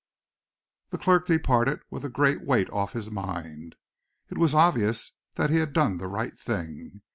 The clerk departed with a great weight off his mind. It was obvious that he had done the right thing.